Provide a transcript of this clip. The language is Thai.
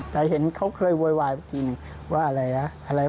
แต่เห็นเขาเคยโวยวายพอทีนึงว่าอะไร